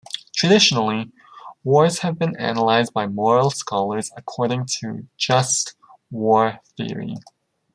Traditionally, wars have been analyzed by moral scholars according to Just War Theory.